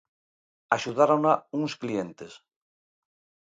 Axudárona uns clientes.